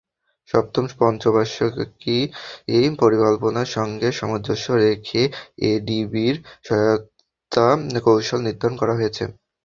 সপ্তম পঞ্চবার্ষিক পরিকল্পনার সঙ্গে সামঞ্জস্য রেখে এডিবির সহায়তা কৌশল নির্ধারণ করা হয়েছে।